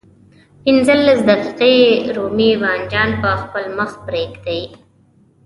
پنځلس دقيقې رومي بانجان په خپل مخ پرېږدئ.